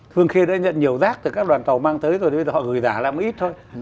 hương khê đã nhận nhiều rác từ các đoàn tàu mang tới rồi bây giờ họ gửi rả lại một ít thôi